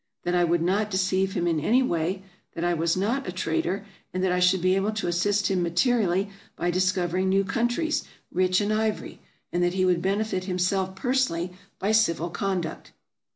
That I would not deceive him in any way; that I was not a trader; and that I should be able to assist him materially by discovering new countries rich in ivory, and that he would benefit himself personally by civil conduct.